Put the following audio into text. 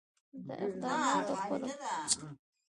دا اقدامات د خپلو موخو د ترسره کولو لپاره کارول کېږي.